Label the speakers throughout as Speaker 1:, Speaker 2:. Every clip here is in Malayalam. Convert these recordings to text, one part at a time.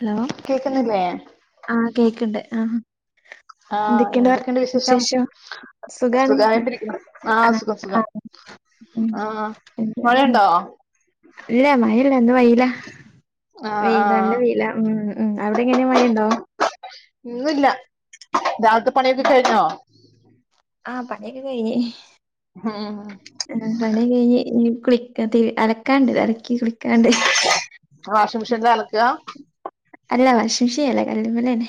Speaker 1: ഹലോ
Speaker 2: കേക്കുന്നില്ലേ
Speaker 1: ആഹ് കേക്ക്ണ്ട് ആഹ്
Speaker 2: ആ
Speaker 1: എന്തൊക്കെണ്ട് വർ
Speaker 2: എന്തൊക്കെയുണ്ട്
Speaker 1: വിശേഷം? സുഖാണ്
Speaker 2: സുഖമായിട്ടിരിക്കുന്നു ആ
Speaker 1: ആഹ്
Speaker 2: സുഖം സുഖം
Speaker 1: ആഹ് ഉം
Speaker 2: ആ
Speaker 1: ഉം ഉം
Speaker 2: മഴയുണ്ടോ
Speaker 1: ഇല്ലാ മയെല്ലാ ഇന്ന് വെയ്ലാ
Speaker 2: ആ ആ
Speaker 1: വെയില് നല്ല വെയിലാ ഉം ഉം അവിടെ എങ്ങനെ മയണ്ടോ?
Speaker 2: ഇന്നില്ലാ രാവിൽത്തെ പണിയൊക്കെ കഴിഞ്ഞോ?
Speaker 1: ആഹ് പണിയൊക്കെ കയ്ഞ്ഞ്
Speaker 2: ഉം
Speaker 1: ആഹ് പണിയൊക്കെ കയിഞ്ഞ് ഇനി കുളിക്കാ തിര് അലക്കാണ്ട് അലക്കി കുളിക്കാണ്ട്
Speaker 2: വാഷിംഗ് മിഷ്യൻലാ അലക്കാ
Speaker 1: അല്ല വാഷിംഗ് മിഷ്യൻ അല്ലാ കല്ല്മ്മലെന്നെ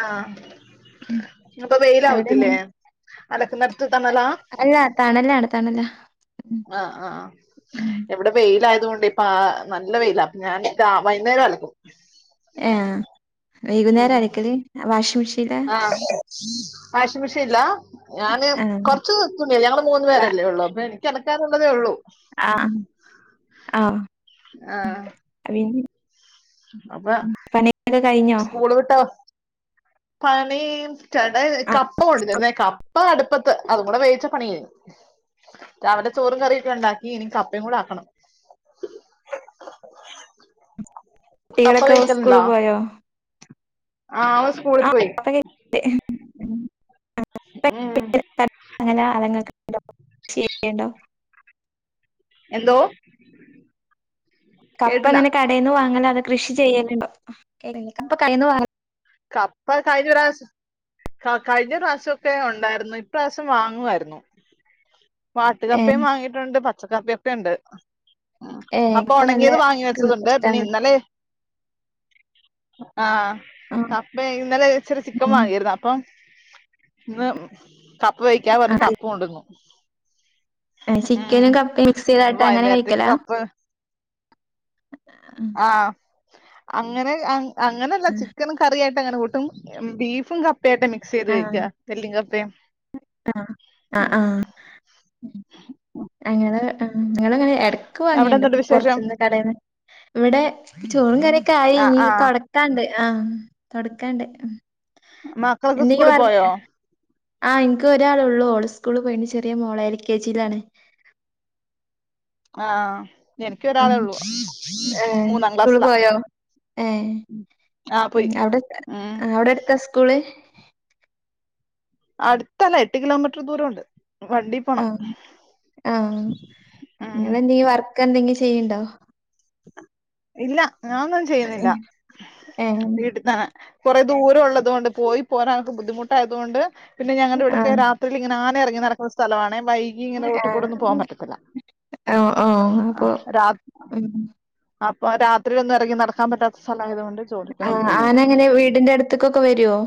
Speaker 2: ആഹ് അപ്പം
Speaker 1: അവിടെ
Speaker 2: വെയിലാവത്തില്ലേ
Speaker 1: എങ്ങനെ
Speaker 2: അലക്കുന്നെട്ത്ത് തണലാ
Speaker 1: അല്ലാ തണലാണ് തണലാ
Speaker 2: ആഹ് ആഹ്
Speaker 1: ഉം
Speaker 2: ഇവടെ വെയിലായത് കൊണ്ടെ ഇപ്പാ നല്ല വെയിലാ അപ്പം ഞാന് ഇതാ വൈന്നേരം അലക്കും
Speaker 1: ഏഹ് വെയ്കുന്നേരാ അലക്കല് വാഷിംഗ് മെഷീൻലാ
Speaker 2: ആഹ് വാഷിംഗ് മിഷ്യൻലാ ഞാന്
Speaker 1: ആഹ്
Speaker 2: കൊറച്ച് തുണിയല്ലെ ഞങ്ങള് മൂന്ന് പേരല്ലേ ഒള്ളൂ അപ്പം എനിക്ക് അലക്കാനുള്ളതേ ഒള്ളൂ
Speaker 1: ആഹ് ആഹ്
Speaker 2: ആ
Speaker 1: [unintelligible]
Speaker 2: അപ്പൊ
Speaker 1: പണിയൊക്കെ കഴിഞ്ഞോ?
Speaker 2: [unintelligible] പണി ചേട്ടായി
Speaker 1: ആ
Speaker 2: കപ്പ കൊണ്ടു തന്നെ കപ്പ് കപ്പ അടുപ്പത്ത് അതും കൂടെ വേവിച്ചാ പണി കഴിയും രാവിലെ ചോറും കറിയൊക്കെ ഒണ്ടാക്കി ഇനി കപ്പേം കൂടെ ആക്കണം കപ്പ
Speaker 1: കുട്ടികളൊക്കെ സ്കൂള് പോയോ?
Speaker 2: ആഹ് ഓള് സ്കൂളിൽ പോയി. ഉം
Speaker 1: [inaudible] [inaudible]
Speaker 2: എന്തോ?
Speaker 1: കപ്പ
Speaker 2: കേട്ടില്ല
Speaker 1: അങ്ങനെ കടേന്ന് വാങ്ങലാണോ കൃഷി ചെയ്യലുണ്ടോ. [unintelligible]
Speaker 2: കപ്പ കഴിഞ്ഞ പ്രാവശ്യം. ക കഴിഞ്ഞ പ്രാവശ്യം ഒക്കെ ഉണ്ടായിരുന്നു ഇപ്രാവശ്യം വാങ്ങുവായിരുന്നു. വാട്ട്
Speaker 1: ഏ
Speaker 2: കപ്പയും വാങ്ങിയിട്ടുണ്ട് പച്ചക്കപ്പയും ഒക്കെ ഉണ്ട്. ആഹ്
Speaker 1: ഏ
Speaker 2: അപ്പൊ
Speaker 1: കപ്പ നല്ല
Speaker 2: ഉണങ്ങിയത് വാങ്ങിവെച്ചതുണ്ട് പിന്നെ
Speaker 1: ഇഷ്ടാണ്
Speaker 2: ഇന്നലെ. ആഹ്
Speaker 1: ആ
Speaker 2: കപ്പയും ഇന്നലെ ഇച്ചിരി ചിക്കൻ വാങ്ങിരുന്നു അപ്പൊ ഇന്ന്. കപ്പ വേവിക്കാ പറഞ്ഞു കപ്പ കൊണ്ടുന്ന്.
Speaker 1: ആ ചിക്കനും
Speaker 2: ആഹ്
Speaker 1: കപ്പയും മിക്സ് ചെയ്തായിട്ട് അങ്ങനെ
Speaker 2: വൈകുന്നേരത്തേക്ക്
Speaker 1: കഴിക്കലാ
Speaker 2: കപ്പ.
Speaker 1: ആ
Speaker 2: ആഹ് അങ്ങനെ അങ്ങനെയല്ല ചിക്കൻ. കറിയായിട്ട് അങ്ങനെ കൂട്ടും, ബീഫും കപ്പ ആയിട്ട് മിക്സ്. മിക്സ്‌ ചെയ്തു കഴിക്കാം എല്ലും കപ്പയും,
Speaker 1: ആ ആ ആ
Speaker 2: ഉം.
Speaker 1: ഞങ്ങള് ഞങ്ങള് ഇങ്ങനെ ഇടയ്ക്ക്
Speaker 2: അവിടെ
Speaker 1: വാങ്ങിയുണ്ട്
Speaker 2: എന്തുണ്ട് വിശേഷം
Speaker 1: പുറത്തന്ന്. കടേന്ന് ഇവിടെ ചോറും കറിയൊക്കെ ആയി
Speaker 2: ആഹ്
Speaker 1: ഇനി
Speaker 2: ആഹ്
Speaker 1: തൊട ക്കാനുണ്ട് ആഹ് തൊടക്കാനുണ്ട്
Speaker 2: മക്കളൊക്കെ
Speaker 1: എന്തെങ്കിലും
Speaker 2: സ്കൂളിൽ
Speaker 1: വർ
Speaker 2: പോയോ
Speaker 1: ആഹ് ഇനിക്ക് ഒരാള് ഉള്ളൂ, ഓള് സ്കൂള് പോയി ചെറിയ മോളാ എൽ കെ ജി യിലാണ്.
Speaker 2: ആഹ് എനിക്ക്
Speaker 1: ഉം
Speaker 2: ഒരാളെ ഉള്ളൂ
Speaker 1: ഏഹ്
Speaker 2: മൂന്നാം
Speaker 1: സ്കൂളിൽ
Speaker 2: ക്ലാസ്സിലാ
Speaker 1: പോയോ? ഏഹ്
Speaker 2: ആഹ് പോയി
Speaker 1: അവിടെ
Speaker 2: ഉം
Speaker 1: അവിടെ അടുത്ത സ്കൂള്?
Speaker 2: അടുത്തല്ല എട്ട് കിലോമീറ്റർ ദൂരമുണ്ട്. വണ്ടി പോണം
Speaker 1: ആഹ് ആഹ്
Speaker 2: ഉം
Speaker 1: നിങ്ങള് എന്തെ വർക്ക് എന്തെങ്കിലും ചെയ്യണ്ടോ?
Speaker 2: ഇല്ല ഞാനൊന്നും ചെയ്യുന്നില്ല
Speaker 1: ഏഹ്
Speaker 2: വീട്ടിൽ തന്നെ. കുറെ ദൂരയുള്ളത് കൊണ്ട് പോയി പോരാനൊക്കെ ബുദ്ധിമുട്ടായതു കൊണ്ട് പിന്നെ ഞങ്ങളുടെ ഇവിടുത്തെ
Speaker 1: ആഹ്
Speaker 2: രാ രാത്രിയിൽ ഇങ്ങനെ ആന ഇറങ്ങി നടക്കുന്ന സ്ഥലവാണേ വഴി. യിൽ ഇങ്ങനെ റോഡിൽ
Speaker 1: ആഹ്
Speaker 2: കൂടെ ഒന്നും പോവാാൻ പറ്റത്തില്ല,
Speaker 1: ഓഹ് ഓഹ് അപ്പൊ
Speaker 2: ആഹ് രാ
Speaker 1: ഉം
Speaker 2: അപ്പൊ രാത്രിയിൽ ഒന്നും ഇറങ്ങി നടക്കാൻ പറ്റാത്ത സ്ഥലം ആയതുകൊണ്ട്.
Speaker 1: ആഹ് ആന എങ്ങനെയാ വീടിന്റെ അടുത്തേക്ക് ഒക്കെ വരുവോ.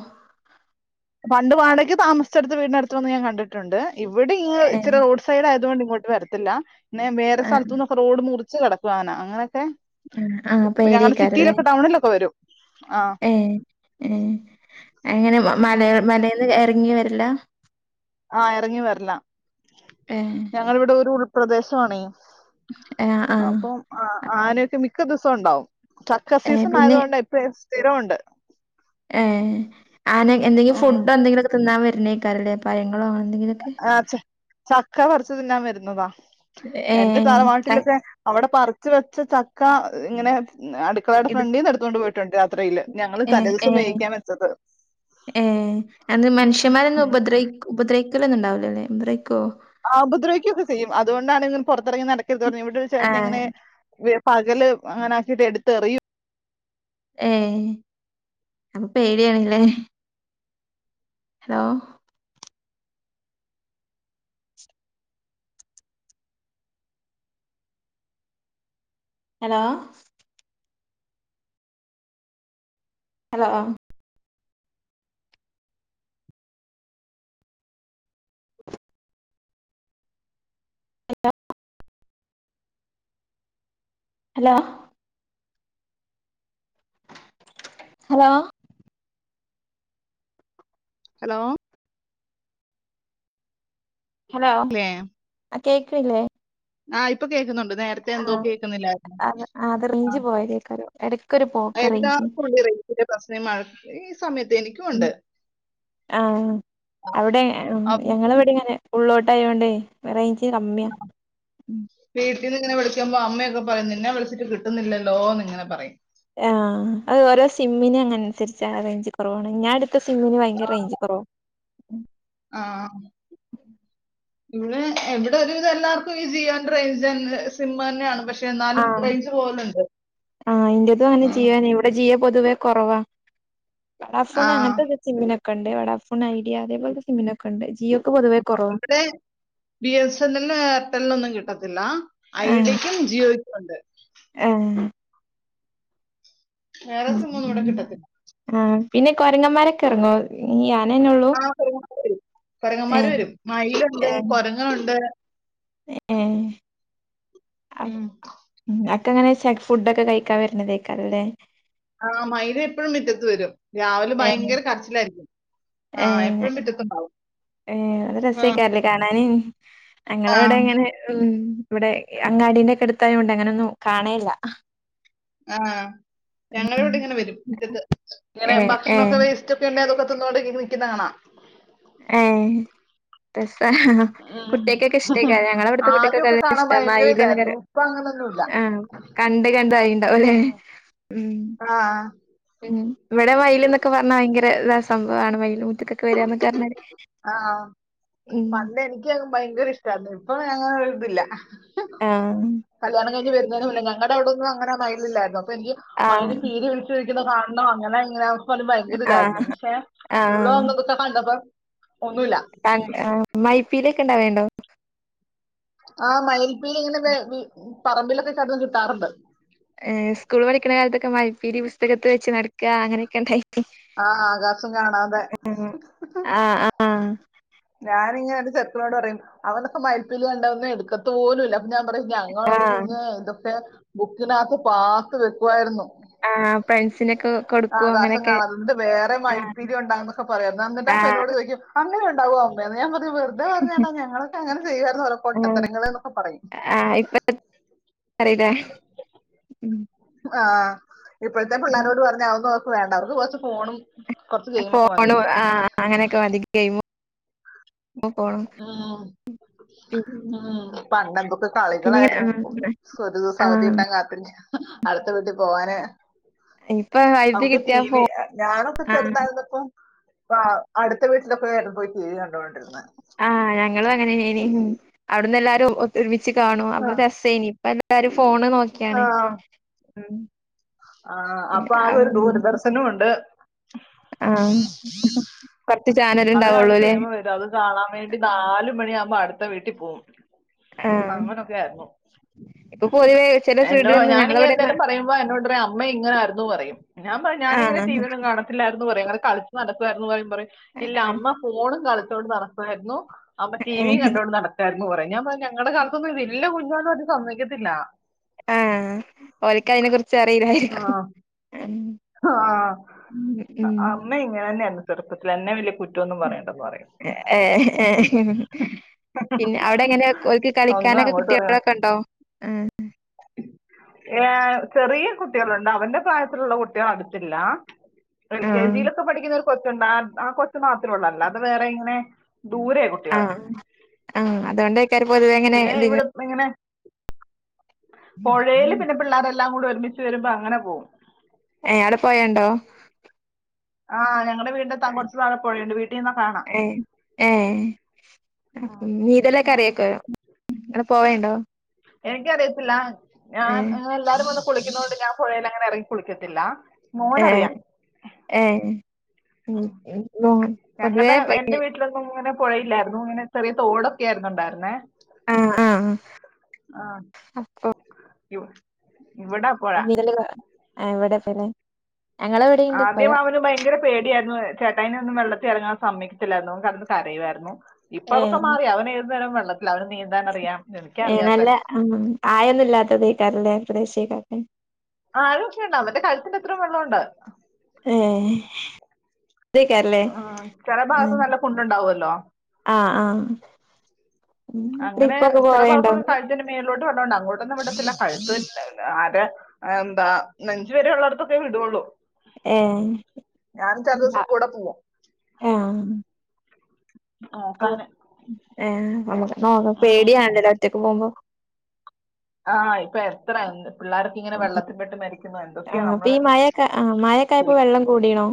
Speaker 2: പണ്ട് വാടകയ്ക്ക് താമസിച്ചെടുത്ത് വീടിനെ അടുത്ത് വന്ന് ഞാൻ കണ്ടിട്ടുണ്ട്, ഇവിടെ ഇ
Speaker 1: ഏഹ്
Speaker 2: ഇച്ചിരി റോഡ്. സൈഡ് ആയതുകൊണ്ട് ഇങ്ങോട്ട് വരത്തില്ല, പിന്നെ വേറെ
Speaker 1: ആഹ്
Speaker 2: സ്ഥലത്തു നിന്നൊക്കെ റോഡ് മുറിച്ച് കടക്കും ആന അങ്ങനെയൊക്കെ.
Speaker 1: ആഹ് ആഹ്
Speaker 2: ഞങ്ങളുടെ
Speaker 1: പേടിയേക്കാരല്ലേ
Speaker 2: സിറ്റിയിലൊക്കെ ടൗണിലൊക്കെ വരും ആഹ്.
Speaker 1: ഏഹ് ഏഹ് അങ്ങനെ മല മലന്ന് ഇറങ്ങി വരാല്.
Speaker 2: ആഹ് ഇറങ്ങി വരാല്
Speaker 1: ഏഹ്
Speaker 2: ഞങ്ങള് ഇവിടെ ഒരു ഉൾപ്രദേശമാണേ.
Speaker 1: ആഹ് ആഹ്
Speaker 2: അപ്പം ആഹ് ആനയൊക്കെ മിക്ക ദിവസവും ഉണ്ടാവും, ചക്ക
Speaker 1: ഏഹ്
Speaker 2: സീസൺ
Speaker 1: പിന്നെ
Speaker 2: ആയതുകൊണ്ട്. അപ്പം സ്ഥിരം ഉണ്ട്.
Speaker 1: ഏഹ് ആന എന്തെങ്കിലും
Speaker 2: ഉം
Speaker 1: ഫുഡോ എന്തെങ്കിലും ഒക്കെ തിന്നാൻ വരുന്നേക്കാറല്ലേ പഴങ്ങളോ എന്തെങ്കിലുമൊക്കെ.
Speaker 2: ആഹ് ച ചക്ക പറിച്ച് തിന്നാൻ വരുന്നതാ, എന്റെ
Speaker 1: ഏഹ്
Speaker 2: തറവാട്ടിൽ
Speaker 1: ത
Speaker 2: ഒക്കെ. അവിടെ പറിച്ച് വെച്ച് ചക്ക ഇങ്ങനെ അടു അടുക്കളയുടെ
Speaker 1: ഇത്
Speaker 2: ഫ്രണ്ടിന്ന് എടുത്തോണ്ട് പോയിട്ടുണ്ട് യാത്രിയില് ഞങ്ങൾ
Speaker 1: ഏഹ്
Speaker 2: തലേദിവസം
Speaker 1: ഏഹ്
Speaker 2: വേവിക്കാൻ വെച്ചത്.
Speaker 1: ഏഹ് അത് മനുഷ്യന്മാരൊന്നും
Speaker 2: ഉം.
Speaker 1: ഉപദ്ര ഉപദ്രവിക്കൊന്നും ഉണ്ടാവില്ലല്ലോ ഉപദ്രവിക്കുവോ?
Speaker 2: ആഹ് ഉപദ്രവിക്കുക ഒക്കെ ചെയ്യും, അതുകൊണ്ടാണ് ഇങ്ങനെ പുറത്തിറങ്ങി നടക്കരുത് പറഞ്ഞു ഇവിടെ ഒരു ചേട്ടൻ
Speaker 1: ആഹ്
Speaker 2: ഇങ്ങനെ. വെ പകല് അങ്ങനെ ആക്കിയിട്ട് എടുത്തെറിയും.
Speaker 1: ഏഹ് അപ്പൊ പേടിയാണ് ല്ലേ. Hello. Hello. Hello. [unintelligible] Hello, hello.
Speaker 2: Hello.
Speaker 1: Hello
Speaker 2: അല്ലേ
Speaker 1: ആഹ് കേക്ക്ണില്ലേ?
Speaker 2: ആഹ് ഇപ്പൊ കേക്കുന്നുണ്ട് നേര ത്തെ എന്തോ കേക്കുന്നില്ലായിരുന്നു.
Speaker 1: അത് ആ, അത് റേഞ്ച്
Speaker 2: ആഹ്
Speaker 1: പോയതേക്കാരം ഇടക്കൊരു പോക്ക റേഞ്ചിന്
Speaker 2: എല്ലാർക്കുണ്ട് ഈ റെയ് ഞ്ചിൻ്റെ പ്രശ്നം ഈ മഴ സമയത്ത് എനിക്ക്.
Speaker 1: ഉം ആഹ് അവിടെ ആഹ്.
Speaker 2: അപ്പൊ
Speaker 1: ഞങ്ങളെ ഇവടിം ഇങ്ങനെ ഉള്ളോട്ട് ആയോണ്ടേ വെ റേഞ്ച് കമ്മിയാ. ഉം
Speaker 2: വീട്ടീന്ന് ഇങ്ങനെ വിളിക്കുമ്പോ അമ്മയൊക്കെ പറയും നിന്നെ വിളിച്ചിട്ട് കിട്ടുന്നില്ലല്ലോ ന്ന് ഇങ്ങനെ പറയും.
Speaker 1: ആഹ് അത് ഓരോ സിമ്മിനും അങ്ങനന്സരിച്ചാ റേഞ്ച് കൊറവാവ്ണെ. ഞാ എട് ത്ത സിമ്മിന് ഭയങ്കര റേഞ്ച് കൊറവാ.
Speaker 2: ആഹ്. ഇവിടെ എഹ് ഇവിടെ ഒരുവിധം എല്ലാർക്കും ഈ ജിയോ ന്റെ റേഞ്ച്‌ തൻ സിം തന്നെയാണ് പക്ഷെ. എന്നാലും
Speaker 1: ആഹ്
Speaker 2: റേഞ്ച് പോലുണ്ട്
Speaker 1: ആഹ് ഇന്റെതും അങ്ങനെ ജിയോനി. ഇ വടെ ജിയോ പൊതുവേ കൊറവാ. വടാഫോൺ
Speaker 2: ആ
Speaker 1: അങ്ങനത്തെക്കെ സിമ്മിനൊക്കെണ്ട് വടാ ഫൊണ് ഐഡിയ അതേപോല്ത്തെ സിമ്മിനൊക്കെണ്ട്. ജിയോ ക്ക് പൊതുവെ കൊറവാ.
Speaker 2: ഇവിടെ ബി എസ് എൻ എൽ നും എയർടെലിനൊന്നും കിട്ടത്തില്ല ഐഡിയക്കും ജിയോയ്ക്കും ഉണ്ട്.
Speaker 1: ഏഹ്.
Speaker 2: വേറെ
Speaker 1: ഉം
Speaker 2: സിം ഒന്നും ഇവിടെ
Speaker 1: ഉം.
Speaker 2: കിട്ടത്തില്ല
Speaker 1: ആഹ് പിന്നെ കൊരങ്ങമാരൊക്കെ എറങ്ങോ ഈ ആനെന്നൊ
Speaker 2: ആഹ് കൊരങ്ങന്മാര് വരും. കൊരങ്ങന്മാര് വരും മയിലുണ്ട്
Speaker 1: ഏഹ്
Speaker 2: കൊരങ്ങനുണ്ട്.
Speaker 1: ഏഹ് അ
Speaker 2: ഉം.
Speaker 1: ഉം. അതൊക്കെങ്ങനെ വെച്ചാ ക് ഫുഡൊക്കെ കഴിക്കാൻ വര്നതേക്കാരല്ലേ.
Speaker 2: ആഹ് മയിൽ എപ്പഴും മിറ്റത്ത് വരും രാവിലെ
Speaker 1: ഏഹ്
Speaker 2: ഭയങ്കര കരച്ചിലായിരിക്കും. ആ
Speaker 1: ഏഹ്
Speaker 2: എപ്പോഴും
Speaker 1: ഞങ്,
Speaker 2: മുറ്റത്തുണ്ടാവും
Speaker 1: ഏഹ് നല്ല രസേകാരലേ കാണാന്.
Speaker 2: ആ
Speaker 1: ഞങ്ങളെവടെ ഇങ്ങനെ ഉം ഇവടെ അങ്ങാടിന്റെ ഒക്കെ എടുത്തായോണ്ട് അങ്ങനൊന്നും കാണേല്ല.
Speaker 2: ആഹ് ഞങ്ങളെ ഇവിടെ ഇങ്ങനെ വരും മുറ്റത്ത്. ഇങ്ങനെ
Speaker 1: ഏഹ് ഏഹ്
Speaker 2: ഭക്ഷണൊക്കെ വേസ്റ്റ് തിണ്ണേന്നൊക്കെ തിന്നോണ്ട് [unintelligible] നിക്കുന്ന കാണാ.
Speaker 1: ഏഹ്. രസ്സാ.
Speaker 2: ഉം.
Speaker 1: കുട്ട്യേക്കൊക്കെ ഇഷ്ടേക്കാരം ഞങ്ങളെ ഇവട്ത്തെ കുട്ട്യേക്കൊക്കെ നല്ല ഇഷ്ടാ. മയില് ന്നൊക്കെ പറയും.
Speaker 2: ഇപ്പോ അങ്ങനൊന്നു
Speaker 1: ആഹ് കണ്ട് കണ്ട് ഇതായിണ്ടാവുംല്ലെ.
Speaker 2: ഉം.
Speaker 1: ഉം.
Speaker 2: ആ
Speaker 1: [unintelligible] ഇവടെ മയിൽ ന്നൊക്കെ പറഞ്ഞാ ഭയങ്കര ഇത സംഭവാണ്. മയിൽ മുറ്റത്തൊക്കെ വരാ ന്നൊക്കെ പറഞ്ഞാല്.
Speaker 2: ആഹ് ആഹ്.
Speaker 1: ഉം
Speaker 2: പണ്ട് എനിക്ക്യങ്ങ് ഭയങ്കര ഇഷ്ടായിരുന്നു ഇപ്പൊ അങ്ങനെ ഒരുതില്ല.
Speaker 1: ആഹ്.
Speaker 2: കല്യാണം കഴിഞ് വരുന്നേന് മുന്നെ. ഞങ്ങടെ അവിടൊന്നും അങ്ങനെ മയിലില്ലായിരുന്നു അപ്പൊ എനിക്ക് മയില്
Speaker 1: ആഹ്
Speaker 2: പിലി വിട ർത്തിയിരിക്കുന്നെ കാണണം അങ്ങനെ ഇങ്ങനേന്നൊക്കെ പറഞ്ഞ് ഭയങ്കര ഇതായിരുന്നു.
Speaker 1: ആഹ്
Speaker 2: പക്ഷെ ഇവടെ
Speaker 1: ആഹ്
Speaker 2: വന്നതൊ ക്ക കണ്ടപ്പം ഒന്നുല്ല.
Speaker 1: ആഹ് [unintelligible] ആഹ് മയിൽ പീലി ഒക്കെ ഇണ്ടാവേണ്ടോ?
Speaker 2: ആഹ് മയിൽ പീലി ഇങ്ങനെ [unintelligible] പറമ്പിലൊക്കെ കിടന്ന് കിട്ടാറുണ്ട്.
Speaker 1: ഏ സ്കൂൾ പഠിക്കുന്ന കാലത്തൊക്കെ മൈപ്പിലി പുസ്തകത്ത് വെച്ച് നടക്കു അങ്ങനെയൊക്കെ ഇണ്ടായി.
Speaker 2: ആഹ് ആകാശം കാണാതെ.
Speaker 1: ആഹ് ആഹ്
Speaker 2: ഞാനിങ്ങനെന്റെ ചെറുക്കനോട് പറയും അവനൊക്കെ മയിൽ പീലി കണ്ട ഒന്നും എടുക്കത്ത പോലുംല്ല. ഞാൻ പറയും ഞങ്ങളൊക്കെ
Speaker 1: ആഹ്
Speaker 2: കുഞ്ഞാ ഇതൊക്കെ ബുക്കിനകത്ത് പാത്ത് വെക്കുവായിരുന്നു.
Speaker 1: ആഹ് ഫ്രണ്ട്സിനൊക്കെ കൊടുക്കും
Speaker 2: ആകാശം
Speaker 1: അങ്ങനെയൊക്കെ
Speaker 2: കാണാതെ എന്ന്ട്ട് വേറെ
Speaker 1: ആഹ്
Speaker 2: മയിൽപ്പീലി [unintelligible] ഒക്കെ പറയാ ന്നാ എന്നിട്ട് അപ്പ എന്നോട്
Speaker 1: ആഹ്
Speaker 2: ചോദിക്കും അങ്ങനെ ഉണ്ടാവോ അമ്മേന്ന് ഞാൻ പറഞ്ഞ് വെറുതെ പറഞ്ഞാണ്ടാ ഞങ്ങളൊക്കെങ്ങനെ ചെയ്യുവായിരുന്നു ഓരോ
Speaker 1: ആഹ്
Speaker 2: പൊട്ടത്തരങ്ങള് എന്നൊക്ക പറയും.
Speaker 1: ആഹ് ഇപ്പ [unintelligible] ഉം
Speaker 2: ആഹ് ഇപ്പോഴത്തെ
Speaker 1: ഉം
Speaker 2: പിള്ളാരോട് പറഞ്ഞ അതന്നും അവർക്ക് വേണ്ട അവർക്ക് കൊറച്ച് ഫോണും കുറച്ച് ഗെയിമൊക്കെ മതി
Speaker 1: ഫോണും ആഹ് അങ്ങനെയൊക്കെ മതി ഗെയിം
Speaker 2: ആഹ്
Speaker 1: പിന്നെ
Speaker 2: ആഹ് പണ്ടന്തൊക്കെ
Speaker 1: പിന്നെ
Speaker 2: കളികളായിരുന്നു ഇപ്പോ
Speaker 1: ആഹ്
Speaker 2: ഒരു ദിവസം അവധി കിട്ടാൻ
Speaker 1: ആഹ്
Speaker 2: കാത്തിരിക്ക. അടുത്ത വീട്ടിൽ പോകാന്
Speaker 1: ഇപ്പൊ വൈദ്യുതി
Speaker 2: നമുക്ക് ടി
Speaker 1: കിട്ടിയ ഫോ
Speaker 2: വി ഞാനൊക്കെ
Speaker 1: ആഹ്
Speaker 2: ചെറുതായിരുന്നപ്പം ആഹ് അടുത്ത വീട്ടിലൊക്കെ [unintelligible] പോയി ടി വി കണ്ടോണ്ടിരുന്നേ.
Speaker 1: ആഹ് ഞങ്ങളും അങ്ങനെനനി ഉം അവിടുന്ന് എല്ലാരും ഒത്തൊരുമിച്ച് കാണും [unintelligible] രസേനി ഇപ്പ ല്ലാരും ഫോണ് നോക്കിയാണ് ഉം
Speaker 2: ആഹ്
Speaker 1: പിന്നെ
Speaker 2: അപ്പൊ ആകെ ഒരു ദൂരദർശനം ഉണ്ട്.
Speaker 1: ആഹ് കൊറച്ച് ചാനൽ
Speaker 2: അതിനകത്ത്
Speaker 1: ഉണ്ടാവുള്ളൂല്ലേ?
Speaker 2: സിനിമ വരും അത് കാണാൻ വേണ്ടി നാല് മണിയാകുമ്പോ അടുത്ത വീട്ടിൽ പോകും
Speaker 1: ആഹ്
Speaker 2: അങ്ങനൊക്കെ ആയിരുന്നു.
Speaker 1: ഇപ്പൊ പൊതുവേ ചില
Speaker 2: എന്തോ
Speaker 1: വീട്ടിലൊന്നും
Speaker 2: ഞാനിങ്ങനെ എന്തായാലും
Speaker 1: ഞങ്ങളവിടെയൊന്നും
Speaker 2: പറയുമ്പോ എന്നോട് പറയും അമ്മ ഇങ്ങനെയിരുന്നു പറയും ഞാൻ പറയും ഞാനിങ്ങനെ
Speaker 1: ആഹ്
Speaker 2: ടി വി ഒന്നും കാണത്തില്ലായിരുന്നു പറയും [unintelligible] കളിച്ച് നടക്കുവായിരുന്നു പറയും പറയും. ഇല്ല
Speaker 1: ആഹ്
Speaker 2: അമ്മ ഫോണും കളിച്ചോണ്ട് നടക്കായിരുന്നു അമ്മ
Speaker 1: ആഹ്
Speaker 2: ടിവിയും കണ്ടോണ്ട് നട കരുന്നു പറയും ഞാ പറഞ്ഞ് ഞങ്ങളുടെ കാലത്തൊന്നും ഇതില്ല [unintelligible] സമ്മതിക്കത്തില്ല.
Speaker 1: ഏഹ് ഓൽക്ക് അതിനെ കുറിച്ച് അറിയില്ലായിരിക്കും
Speaker 2: ആഹ്
Speaker 1: ഉം
Speaker 2: ആഹ്
Speaker 1: ഉം
Speaker 2: അമ്മ ഇങ്ങനെ തന്നെയാരുന്നു ചെറുപ്പത്തി എന്നെ വലിയ കുറ്റൊന്നും പറയണ്ട പറയ
Speaker 1: എഹ് ഏഹ് ഏഹ് പിന്നെ അവിടെ എങ്ങനെ ഓൽക്ക്
Speaker 2: ഒന്നും
Speaker 1: കളിക്കാനൊക്കെ
Speaker 2: അങ്ങോട്ട്
Speaker 1: കുട്ടികളൊക്കെ ഇണ്ടോ? ഏഹ്
Speaker 2: ഏഹ് ചെറിയ കുട്ടികളുണ്ട് അവന്റെ പ്രായത്തിലുള്ള കു ഇന്റെ അടുത്തില്ല എൽ കെ
Speaker 1: ആഹ്
Speaker 2: ജിലക്കെ പഠിക്കുന്ന കൊച്ചുണ്ട് ആഹ് കൊച്ച് മാത്രം ഉള്ളു അല്ലാതെ വേറെ ഇങ്ങനെ ദൂരെ കുട്ടികൾ.
Speaker 1: [unintelligible] ആഹ് അതുകൊണ്ട [unintelligible] പൊതുവേ
Speaker 2: പിന്നെ ഇവിടെ എങ്ങനെ പുഴയില് പിന്നെ പിള്ളേരെ എല്ലാം കൂടി ഒരുമിച്ച് വരുമ്പോ അങ്ങനെ പോകും.
Speaker 1: ഏഹ് അഒടെ പൊഴണ്ടോ?
Speaker 2: ആഹ് ഞങ്ങളെ വീടിൻ്റെ എത്താൻ കൊറച്ച് താഴെ പൊഴണ്ട് വീട്ടിൽ നിന്ന കാണാം.
Speaker 1: [unintelligible]
Speaker 2: ഉം,
Speaker 1: നീന്തലക്കെ
Speaker 2: ഉം.
Speaker 1: അറിയേക്കാരം അങ്ങനെ പോവേണ്ടോ?
Speaker 2: എനിക്കറിയത്തില്ല ഞാൻ
Speaker 1: ഏഹ്
Speaker 2: അങ്ങനെ എല്ലാരും പോലെ കുളിക്കുന്നോണ്ട് ഞാൻ പൊഴേൽ അങ്ങനെ എറങ്ങി കുളിക്കത്തില്ല.
Speaker 1: ഏഹ്
Speaker 2: മോനറിയാം
Speaker 1: ഏഹ് ഉം [unintelligible] പൊതുവേ പെ
Speaker 2: ഇപ്പോ ഇങ്ങനെ പോയില്ലായിരുന്നു ഇങ്ങനെ ചെറിയ തോടക്കെ ആയിരുന്നു ഇണ്ടായിരുന്നേ.
Speaker 1: ആഹ് ആഹ്
Speaker 2: ആഹ് [unintelligible] ഇവിടെ പുഴ
Speaker 1: [unintelligible] ഇവിടെണ്ട് പൊഴ
Speaker 2: ആദ്യമാ അവന് ഭയങ്കര പേടിയായിരുന്നു ചേട്ടായിനെന്നും വെള്ളത്തി ഇറങ്ങാൻ സമ്മക്കിച്ചില്ലായിരുന്നു കാരണം- കരയുവായിരുന്നു ഇപ്പൊ
Speaker 1: ഏ
Speaker 2: അതൊക്കെ മാറി അവന് എതു നേരം വെള്ളത്തിൽ അവൻ നീന്തി -
Speaker 1: ഏ നല്ല ആയം ഒന്നുമില്ലാത്തത് ഈക്ക [unintelligible] റല പ്രദേശക്കാക്കെ.
Speaker 2: ആഴം ഒക്കെ ഉണ്ട് അവന്റ കഴുത്തിന്റെ അത്രയും വെള്ളം ഒണ്ട്
Speaker 1: ഏഹ്
Speaker 2: ഉം ചെല ഭാഗത്ത് നല്ല കുണ്ടുണ്ടാവല്ലോ.
Speaker 1: ആഹ് ആഹ് ട്രിപ്പൊക്കെ പോവേണ്ടോ
Speaker 2: ഇതിന്റെ മേളിലോട്ട് വെള്ളം ഒണ്ട് അങ്ങോട്ടൊന്നും വിടത്തില്ല കഴുത്ത് [unintelligible] അര എന്താ നെഞ്ചു വരെ ഉള്ളടത്തൊക്കെ വിടുവൊള്ളൂ.
Speaker 1: ഏ
Speaker 2: ഞാനും ചെല ദെവസം കൂടെ പോകും
Speaker 1: ആഹ്
Speaker 2: നോക്കാന്
Speaker 1: ഏ നമ്മുക്ക് എന്തോ
Speaker 2: ഉം.
Speaker 1: പേടിയാണല്ലല്ലോ ഒറ്റക്ക് പോകുമ്പോ.
Speaker 2: ആഹ് ഇപ്പൊ എത്ര പിള്ളേർക്ക് ഇങ്ങനെ
Speaker 1: ഉം
Speaker 2: വെള്ളത്തിൽ പെട്ട് മരിക്കുന്നു എന്തൊക്കെയാ നമ്മള്-
Speaker 1: ആഹ് മയക്കായപ്പോ
Speaker 2: കേൾ-
Speaker 1: വെള്ളം കൂടിയോ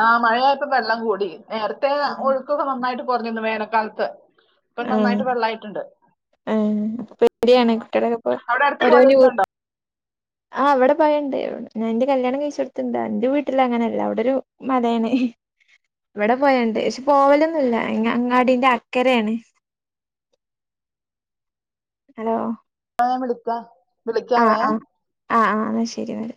Speaker 2: ആ മഴയപ്പോ വെള്ളം കൂടി നേരത്തെ ഒഴുക്കൊക്കെ നന്നായിട്ട് കൊറഞ്ഞിരുന്നു വേനൽക്കാലത്ത്- ഇപ്പൊ
Speaker 1: ആ
Speaker 2: നന്നായിട്ട് വെള്ളായിട്ടുണ്ട്.
Speaker 1: ആ പേടിയാണ് കുട്ടിയുടെ ഇപ്പൊ
Speaker 2: അവിടെ അടുത്ത്
Speaker 1: ഓരോ ജോ
Speaker 2: പുഴയൊക്കെ ഉണ്ടോ
Speaker 1: ആ അവിടെ പോയണ്ട്, ഞാൻ എന്റെ കല്യാണം കഴിച്ചടുത്തുണ്ട് എന്റെ വീട്ടിൽ അങ്ങനെയല്ല അവിടെ ഒരു മലയാണ്. ഇവിടെ പോയണ്ട് പക്ഷെ പോവലൊന്നും ഇല്ല അങ്ങാടിന്റെ അക്കരയാണ്. [inaudible] ഹലോ
Speaker 2: ആ വിളിക്കാ
Speaker 1: ആഹ്
Speaker 2: വിളിക്കവേ
Speaker 1: ആഹ് ആഹ് ആഹ് ശരി എന്നാല്